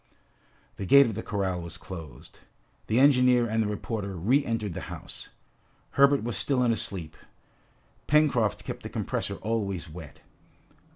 The gate of the corral was closed. The engineer and the reporter re entered the house. Herbert was still in a sleep. Pencroft kept the compresses always wet.